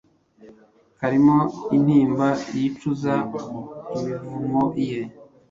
karimo intimba yicuza imivumo ye